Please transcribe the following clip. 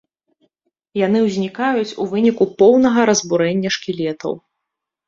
Яны ўзнікаюць у выніку поўнага разбурэння шкілетаў.